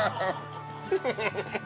フフフッ！